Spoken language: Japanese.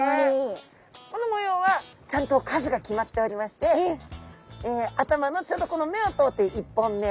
この模様はちゃんと数が決まっておりまして頭のちょうどこの目を通って１本目。